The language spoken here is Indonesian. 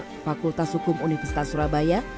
dan juga seorang kota sukum universitas surabaya